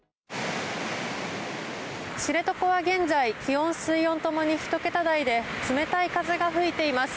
知床は現在気温、水温共に１桁台で冷たい風が吹いています。